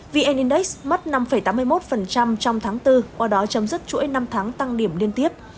vn index mất năm tám mươi một trong tháng bốn qua đó chấm dứt chuỗi năm tháng tăng điểm liên tiếp